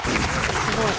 すごい。